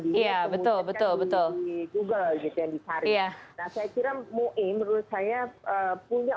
dia kemudian di google gitu yang dicari nah saya pikirnya muin menurut saya punya